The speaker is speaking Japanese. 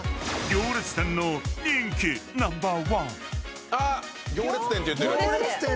行列店の人気ナンバーワン。